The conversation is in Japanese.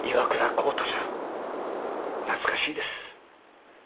懐かしいです。